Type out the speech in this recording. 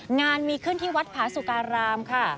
งานมีขึ้นที่วัดผาสุการามค่ะ